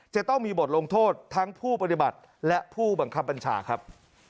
จะต้องมีบทลงโทษทั้งผู้ปฏิบัติและผู้บังคับบัญชาครับ